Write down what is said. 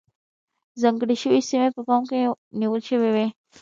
ځانګړې شوې سیمې په پام کې نیول شوې وې.